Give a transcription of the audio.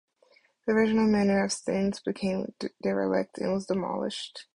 The original manor of Staines became derelict and was demolished.